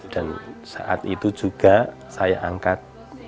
dan saat itu juga saya angkat